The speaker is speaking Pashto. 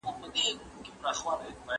¬ اورۍ او نوک نه سره جلا کېږي.